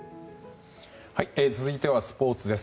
続いてはスポーツです。